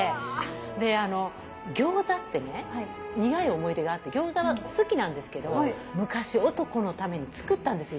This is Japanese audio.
であの餃子ってね苦い思い出があって餃子は好きなんですけど昔男のために作ったんですよ